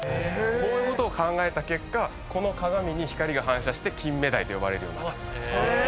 こういうことを考えた結果この鏡に光が反射してキンメダイと呼ばれるようになったと。